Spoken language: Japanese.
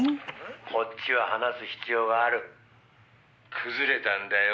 「こっちは話す必要がある」「崩れたんだよ